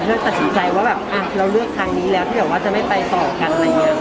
เธอตัดสินใจว่าแบบอ่าเราเลือกทางนี้แล้วเดี๋ยวว่าจะไม่ไปต่อกันอะไรอย่างเงี้ย